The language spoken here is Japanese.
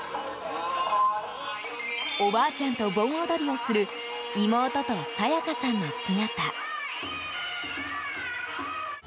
おばあちゃんと盆踊りをする妹とサヤカさんの姿。